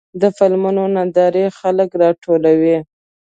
د فلمونو نندارې خلک راټولوي.